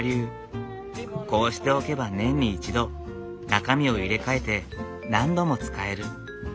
こうしておけば年に一度中身を入れ替えて何度も使える。